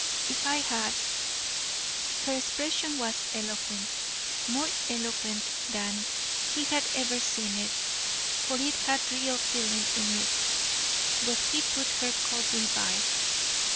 If I had " Her expression was eloquent, more eloquent than he had ever seen it, for it had real feeling in it; but he put her coldly by.